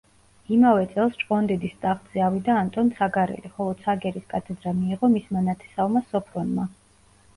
იმავე წელს ჭყონდიდის ტახტზე ავიდა ანტონ ცაგარელი, ხოლო ცაგერის კათედრა მიიღო მისმა ნათესავმა სოფრონმა.